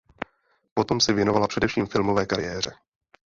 Potom se věnovala především filmové kariéře.